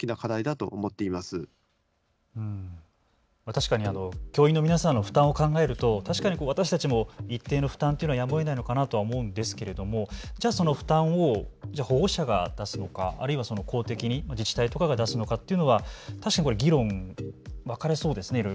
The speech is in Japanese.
確かに教員の皆さんの負担を考えると私たちも一定の負担というのはやむをえないのかなと思うんですが、ではその負担を保護者が出すのかあるいは公的に自治体とかが出すのかというのは確かに議論、分かれそうですね。